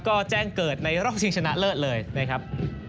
ก็แจ้งเกิดในรอบชิงชนะเลิศเลยนะครับ